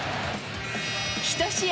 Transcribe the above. １試合